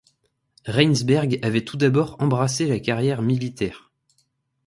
Reinsberg avait tout d'abord embrassé la carrière militaire.